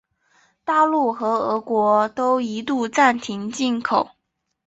大陆和俄国都一度暂停进口。